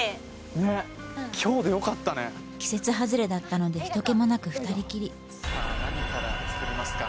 ねっ今日でよかったね季節外れだったので人けもなく２人きりさあ何から作りますか！